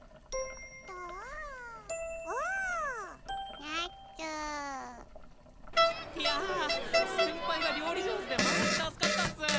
どーおーなっついや先輩が料理上手でマジ助かったっす